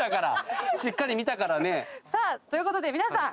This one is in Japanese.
しっかり見たからね。ということで皆さん。